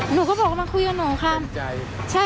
หนูก็บอกมาคุยกับหนูค่ะเต็มใจ